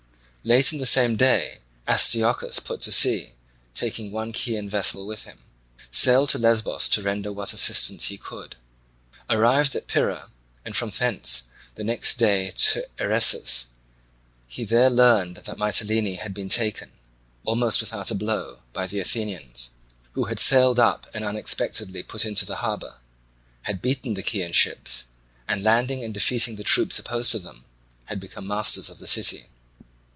Late in the same day Astyochus put to sea, and taking one Chian vessel with him sailed to Lesbos to render what assistance he could. Arrived at Pyrrha, and from thence the next day at Eresus, he there learned that Mitylene had been taken, almost without a blow, by the Athenians, who had sailed up and unexpectedly put into the harbour, had beaten the Chian ships, and landing and defeating the troops opposed to them had become masters of the city.